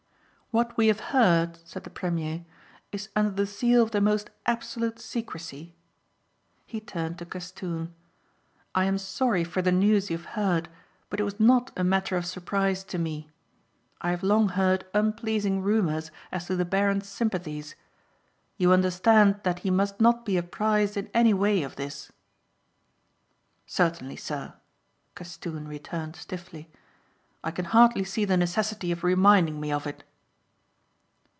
"What we have heard," said the premier, "is under the seal of the most absolute secrecy." He turned to Castoon. "I am sorry for the news you have heard but it was not a matter of surprise to me. I have long heard unpleasing rumours as to the baron's sympathies. You understand that he must not be apprised in any way of this?" "Certainly sir," Castoon returned stiffly. "I can hardly see the necessity of reminding me of it."